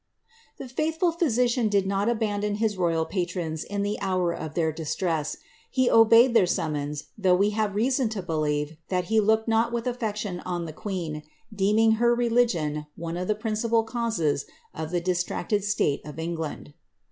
The faithful physician did not abandon his royal patrons in the hovr of their distress ; he obeyed their summons, though we have reason to believe that he looked not with afilection on the queen, deeming her re ligion one of the principal causes of the distracted state of En^and.